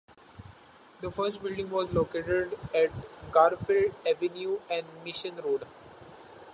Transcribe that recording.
The first building was located at Garfield Avenue and Mission Road.